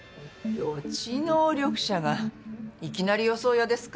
予知能力者がいきなり予想屋ですか？